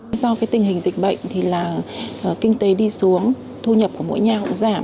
do tình hình dịch bệnh thì là kinh tế đi xuống thu nhập của mỗi nhà cũng giảm